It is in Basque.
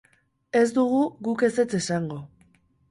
Ez dugu guk ezetz esango.